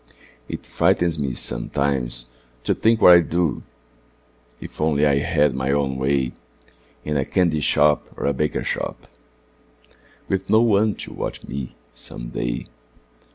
It frightens me sometimes, to think what I'd do, If only I had my own way In a candy shop or a baker shop, Witn no one to watch me, some day.